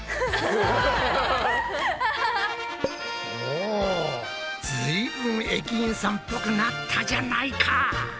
おずいぶん駅員さんっぽくなったじゃないか。